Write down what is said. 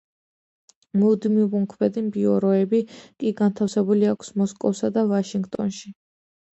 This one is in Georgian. მუდმივმოქმედი ბიუროები კი განთავსებული აქვს მოსკოვსა და ვაშინგტონში.